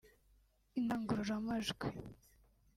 indangururamajwi